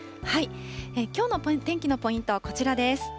きょうの天気のポイントはこちらです。